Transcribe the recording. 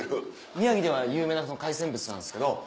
宮城では有名な海産物なんですけど。